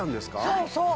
そうそう！